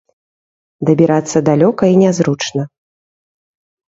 Дабірацца далёка і нязручна.